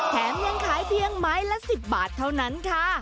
แถมยังขายเพียงไม้ละ๑๐บาทเท่านั้นค่ะ